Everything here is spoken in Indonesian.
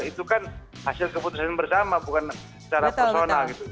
itu kan hasil keputusan bersama bukan secara personal gitu